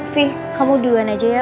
fih kamu duluan aja ya